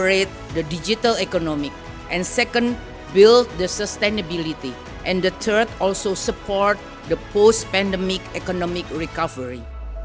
yang sedang diputiasikan untuk mendukung sistem vaksinanya terhadap jepang dengan pemberot ikabel khiat resiko ekonomi